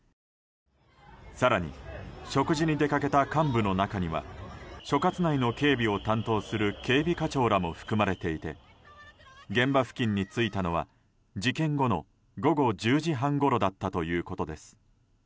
更に、食事に出かけた幹部の中には所轄内の警備を担当する警備課長らも含まれていて現場付近に着いたのは事件後の午後１０時半ごろだったということです。